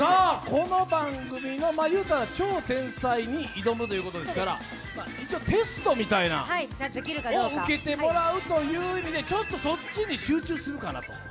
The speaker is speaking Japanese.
この番組のいうたら超天才に挑むということですから、一応、テストみたいなものを受けてもらうという意味でちょっとそっちに集中するかなと。